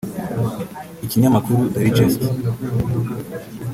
Ikinyamakuru The Richest